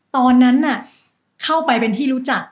ตอนนั้นเข้าไปเป็นที่รู้จัก